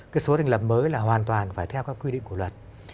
cái số thành lập mới là hoàn toàn phải theo các quy định của luật